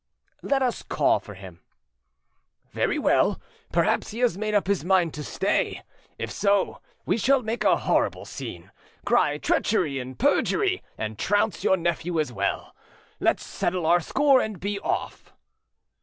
"Let us call, for him." "Very well. Perhaps he has made up his mind to stay. If so, we shall make a horrible scene, cry treachery and perjury, and trounce your nephew well. Let's settle our score and be off."